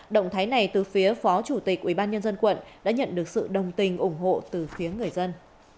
động thái này từ phía phó chủ tịch ubnd quận đã nhận được sự đồng tình ủng hộ từ phía người dân